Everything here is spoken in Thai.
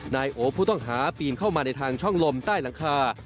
นายโอผู้ต้องหาปีนเข้ามาในทางช่องลมใต้หลังคา